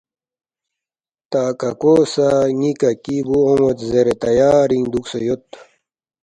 تا ککو سہ ن٘ی ککی بُو اون٘ید زیرے تیارِنگ دُوکسے یودپا